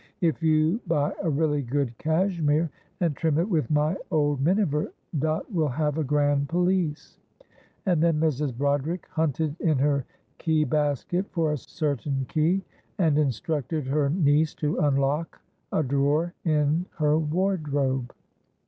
If you buy a really good cashmere, and trim it with my old miniver, Dot will have a grand pelisse," and then Mrs. Broderick hunted in her key basket for a certain key, and instructed her niece to unlock a drawer in her wardrobe.